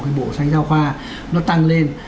cái bộ sách giáo khoa nó tăng lên